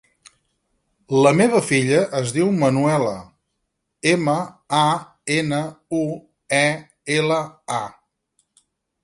La meva filla es diu Manuela: ema, a, ena, u, e, ela, a.